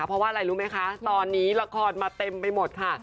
เพราะว่าอะไรรู้ไหมคะตอนนี้ละครมาเต็มไปหมดค่ะ